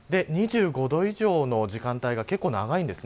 ２５度以上の時間帯が結構、長いんです。